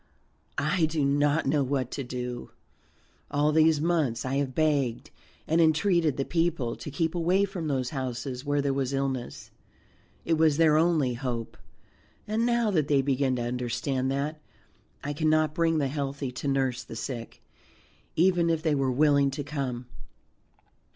"I do not know what to do. All these months I have begged and entreated the people to keep away from those houses where there was illness. It was their only hope. And now that they begin to understand that, I cannot bring the healthy to nurse the sick, even if they were willing to come.